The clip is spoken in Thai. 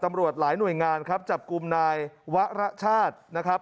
หลายหน่วยงานครับจับกลุ่มนายวะระชาตินะครับ